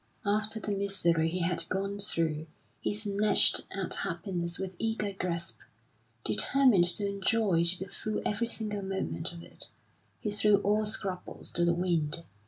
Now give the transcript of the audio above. After the misery he had gone through, he snatched at happiness with eager grasp, determined to enjoy to the full every single moment of it. He threw all scruples to the wind.